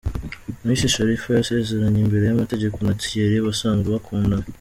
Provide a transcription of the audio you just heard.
Miss Sharifa yasezeranye imbere y’amategeko na Thierry basanzwe bakundana.